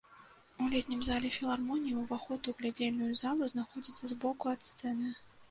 У летнім зале філармоніі ўваход у глядзельную залу знаходзіцца збоку ад сцэны.